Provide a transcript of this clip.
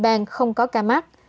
ủy ban không có ca mắc